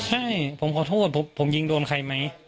ไม่ผมขอโทษผมยิงโดนใครไหม